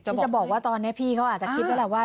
จะบอกว่าตอนนี้พี่เขาอาจจะคิดว่าล่ะว่า